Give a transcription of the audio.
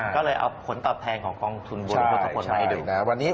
ก็เลยเอาผลตอบแทนของกองทุนบัวโลกทศพลวงไว้ดู